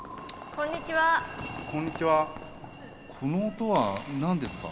この音は何ですか？